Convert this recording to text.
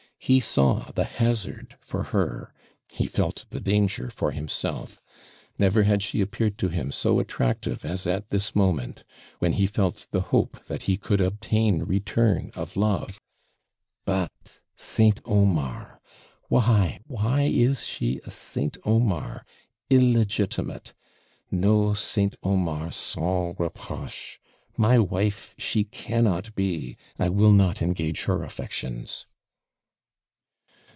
He saw the hazard for her, he felt the danger for himself. Never had she appeared to him so attractive as at this moment, when he felt the hope that he could obtain return of love. 'But St. Omar! Why! why is she a St, Omar! illegitimate! "No St. Omar SANS REPROCHE." My wife she cannot be I will not engage her affections.'